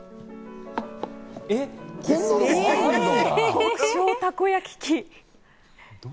極小たこ焼き器。